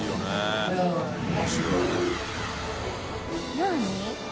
何？